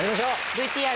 ＶＴＲ。